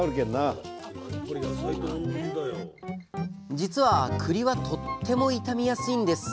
じつはくりはとっても傷みやすいんです。